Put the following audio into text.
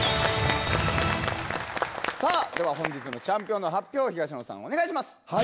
さあでは本日のチャンピオンの発表を東野さんお願いします！